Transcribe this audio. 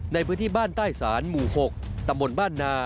ในพื้นที่บ้านใต้ศาลหมู่๖ตำบลบ้านนา